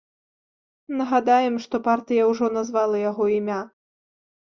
Нагадаем, што партыя ўжо назвала яго імя.